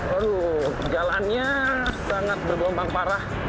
aduh jalannya sangat bergombang parah